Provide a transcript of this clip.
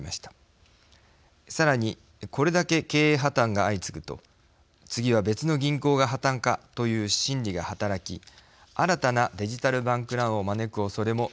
さらにこれだけ経営破綻が相次ぐと次は別の銀行が破綻かという心理が働き新たなデジタル・バンク・ランを招くおそれも指摘されています。